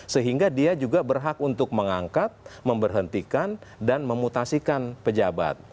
sehingga dia juga berhak untuk mengangkat memberhentikan dan memutasikan pejabat